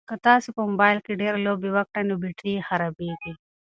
که تاسي په موبایل کې ډېرې لوبې وکړئ نو بېټرۍ یې خرابیږي.